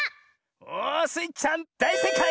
おスイちゃんだいせいかい！